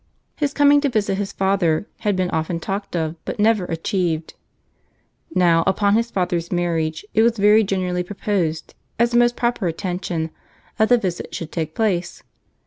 His coming to visit his father had been often talked of but never achieved. Now, upon his father's marriage, it was very generally proposed, as a most proper attention, that the visit should take place.